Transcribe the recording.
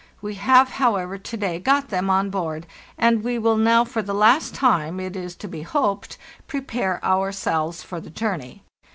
We have, however, to day got them on board, and we will now for the last time, it is to be hoped, prepare ourselves for the journey.